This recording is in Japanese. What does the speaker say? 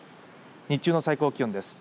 日中の最高気温です。